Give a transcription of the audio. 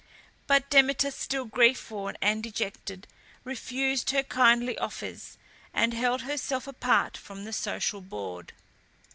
But Demeter, still grief worn and dejected, refused her friendly offers, and held herself apart from the social board.